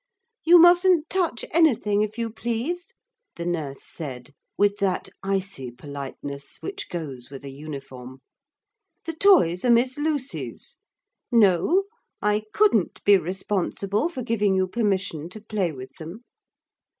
'You mustn't touch anything, if you please,' the nurse said, with that icy politeness which goes with a uniform. 'The toys are Miss Lucy's. No; I couldn't be responsible for giving you permission to play with them.